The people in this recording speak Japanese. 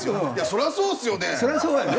そりゃそうだよね。